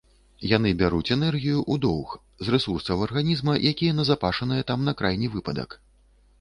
Яны бяруць энергію ў доўг з рэсурсаў арганізма, якія назапашаныя там на крайні выпадак.